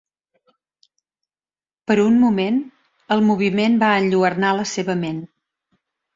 Per un moment, el moviment va enlluernar la seva ment.